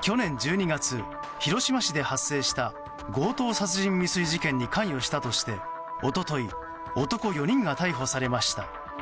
去年１２月、広島市で発生した強盗殺人未遂事件に関与したとして一昨日、男４人が逮捕されました。